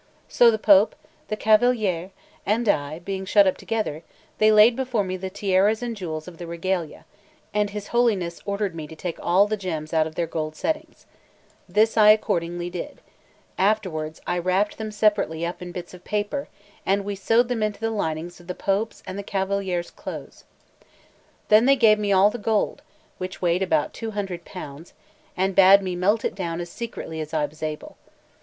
So the Pope, the Cavaliere, and I, being shut up together, they laid before me the tiaras and jewels of the regalia; and his Holiness ordered me to take all the gems out of their gold settings. This I accordingly did; afterwards I wrapt them separately up in bits of paper and we sewed them into the linings of the Pope's and the Cavaliere's clothes. Then they gave me all the gold, which weighed about two hundred pounds, and bade me melt it down as secretly as I was able.